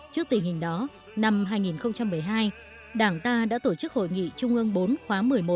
trước tình hình đó năm hai nghìn một mươi hai đảng ta đã tổ chức hội nghị trung ương bốn khóa một mươi một